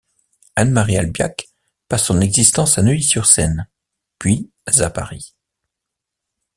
Anne-Marie Albiach passe son existence à Neuilly-sur-Seine, puis à Paris.